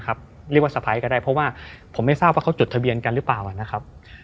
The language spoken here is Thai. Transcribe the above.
เรียกว่าสะพ้ายก็ได้เพราะว่าผมไม่ทราบว่าเขาจดทะเบียนกันหรือเปล่านะครับ